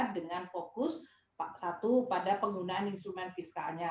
dengan fokus satu pada penggunaan instrumen fiskalnya